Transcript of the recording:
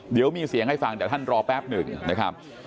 เดี๋ยวมีเสียงให้ฟังแต่ท่านรอแป๊บหนึ่งนะครับ